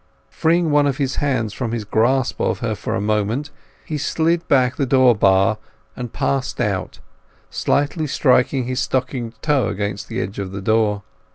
Freeing one of his hands from his grasp of her for a moment, he slid back the door bar and passed out, slightly striking his stockinged toe against the edge of the door.